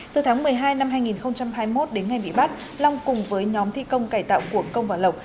từ tháng một mươi hai năm hai nghìn hai mươi một đến ngày bị bắt long cùng với nhóm thi công cải tạo của công và lộc